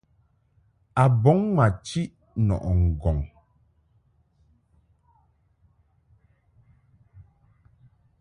A bɔŋ ma chiʼ nɔʼɨ ŋgɔŋ.